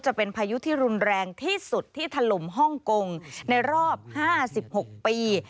จะเป็นพายุที่รุนแรงที่สุดที่ถล่มฮ่องกงในรอบ๕๖ปี